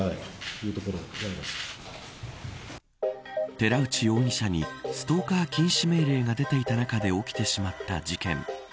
寺内容疑者にストーカー禁止命令が出た中で起きてしまった事件。